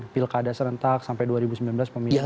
pilkada serentak sampai dua ribu sembilan belas pemilu